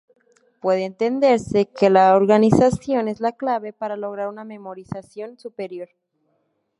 Puede entenderse que la organización es la clave para lograr una memorización superior.